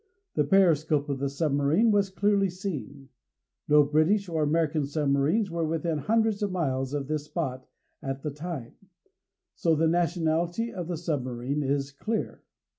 The periscope of the submarine was clearly seen. No British or American submarines were within hundreds of miles of this spot at the time, so the nationality of the submarine is clear.